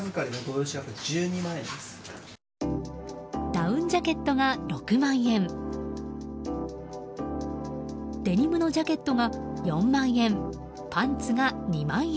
ダウンジャケットが６万円デニムのジャケットが４万円パンツが２万円。